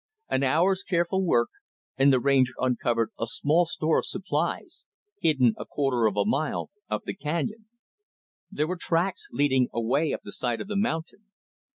An hour's careful work, and the Ranger uncovered a small store of supplies; hidden a quarter of a mile up the canyon. There were tracks leading away up the side of the mountain.